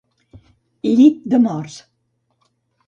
Llit de morts.